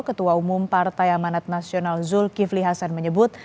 ketua umum partai amanat nasional zulkifli hasan menyebut